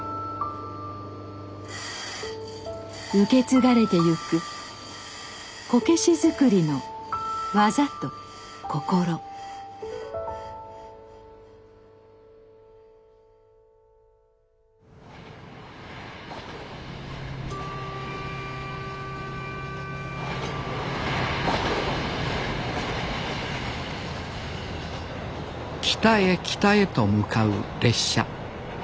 受け継がれてゆくこけし作りの技と心北へ北へと向かう列車。